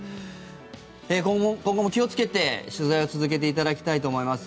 今後も気をつけて取材を続けていただきたいと思います。